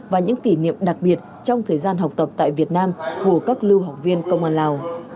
và những kỷ niệm đặc biệt trong thời gian học tập tại việt nam của các lưu học viên công an lào